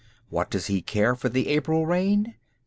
What does he care for the April rain?